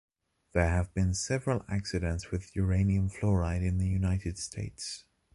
There have been several accidents with uranium fluoride in the United States.